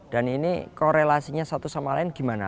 ini korelasinya satu sama lain gimana